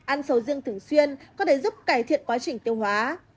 ăn sầu riêng thường xuyên có thể giúp cải thiện quá trình tiêu hóa